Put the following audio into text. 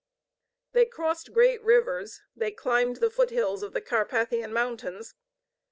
They crossed great rivers, they climbed the foothills of the Carpathian mountains.